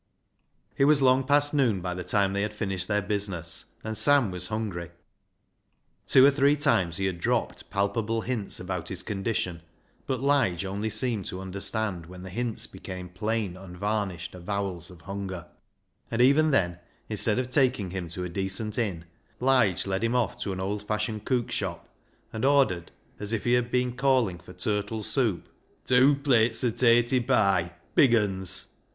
It was long past noon by the time they had finished their business, and Sam was hungry. Two or three times he had dropped palpable hints about his condition, but Lige only seemed to understand when the hints became plain unvarnished avowals of hunger ; and, even then, instead of taking him to a decent inn, Lige led him off to an old fashioned cookshop, and ordered, as if he had been calling for turtle soup, " Tew plates o' tatey pie — big uns."